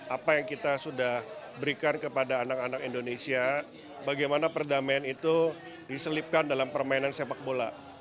apa yang kita sudah berikan kepada anak anak indonesia bagaimana perdamaian itu diselipkan dalam permainan sepak bola